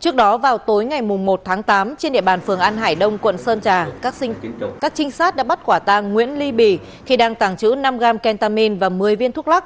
trước đó vào tối ngày một tháng tám trên địa bàn phường an hải đông quận sơn trà các trinh sát đã bắt quả tàng nguyễn ly bì khi đang tàng trữ năm gram kentamin và một mươi viên thuốc lắc